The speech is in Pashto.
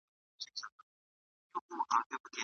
دغه کڅوڼه د چا ده؟